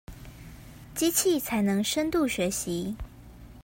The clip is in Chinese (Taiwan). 機器才能深度學習